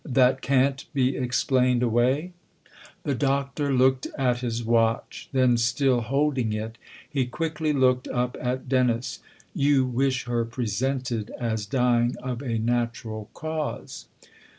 "That can't be explained away ?" The Doctor looked at his watch ; then, still holding it, he quickly looked up at Dennis. " You wish her presented as dying of a natural cause